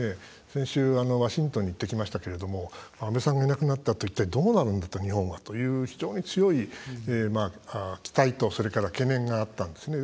先週、ワシントンに行ってきましたけれども安倍さんがいなくなったあと一体どうなるんだ、日本はという非常に強い期待とそれから、懸念があったんですね。